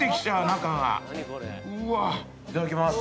いただきます。